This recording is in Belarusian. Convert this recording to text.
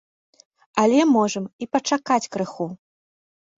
Але можам і пачакаць крыху.